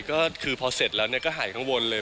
ก็คือพอเสร็จแล้วก็หายข้างบนเลย